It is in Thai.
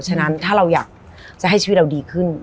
ฉะนั้นถ้าเราอยากจะให้ชีวิตเราดีขึ้น